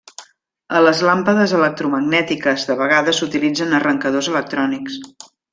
A les làmpades electromagnètiques de vegades s'utilitzen arrencadors electrònics.